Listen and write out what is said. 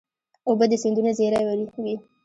اوبه د سیندونو زېری وي.